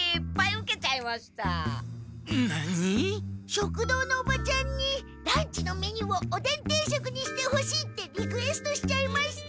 食堂のおばちゃんにランチのメニューをおでん定食にしてほしいってリクエストしちゃいました！